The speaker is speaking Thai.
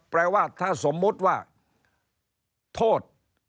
แปลว่าถ้าสมมุติว่าโทษ